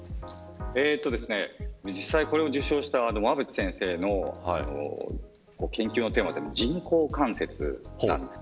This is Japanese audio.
実際にこれを受賞した馬渕先生の研究のテーマが人工関節なんです。